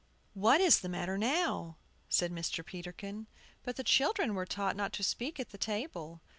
"What is the matter now?" said Mr. Peterkin. But the children were taught not to speak at table.